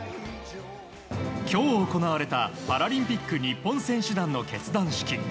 今日行われたパラリンピック日本選手団の結団式。